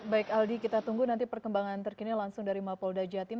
baik aldi kita tunggu nanti perkembangan terkini langsung dari mapolda jatim